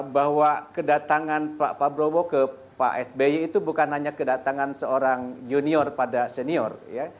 bahwa kedatangan pak prabowo ke pak sby itu bukan hanya kedatangan seorang junior pada senior